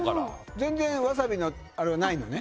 全然ワサビのあれはないのね？